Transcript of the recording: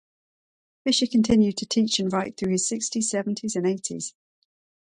Fisher continued to teach and write through his sixties, seventies and eighties.